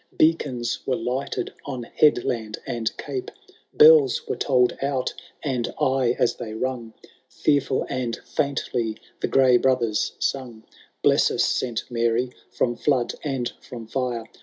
Beacons were lighted on headland and cape, Bells were tolled out, and aye as they rung, Fearfhl and &intly the gray brothers sung, *' Bless us, St. Mary, from flood and from fire.